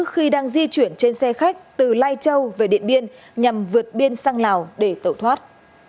khi đang di chuyển trên xe khách từ lai châu về điện biên nhằm vượt biên sang lào để tẩu thoát